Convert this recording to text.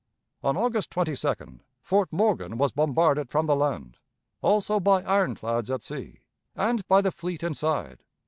On August 22d, Fort Morgan was bombarded from the land, also by ironclads at sea, and by the fleet inside.